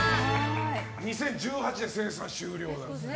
２０１８年、生産終了なんですね。